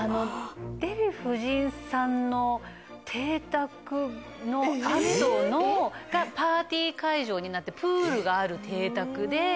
デヴィ夫人さんの邸宅の跡がパーティー会場になってプールがある邸宅で。